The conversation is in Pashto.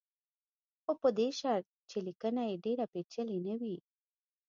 خو په دې شرط چې لیکنه یې ډېره پېچلې نه وي.